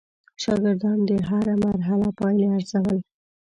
شاګردان د هره مرحله پایلې ارزول.